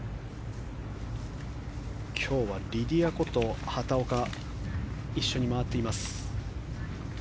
今日はリディア・コと畑岡が一緒に回っています。